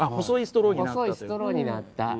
細いストローになった。